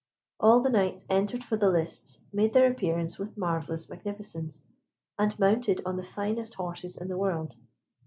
All the knights entered for the lists made their appearance with marvellous magnificence, and mounted on the finest horses in the world.